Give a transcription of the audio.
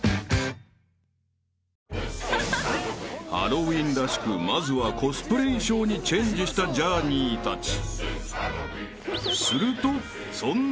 ［ハロウィンらしくまずはコスプレ衣装にチェンジしたジャーニーたち］